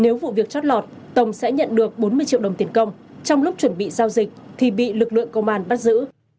nếu vụ việc chót lọt tổng sẽ nhận được bốn mươi triệu đồng tiền công trong lúc chuẩn bị giao dịch thì bị lực lượng công an bắt giữ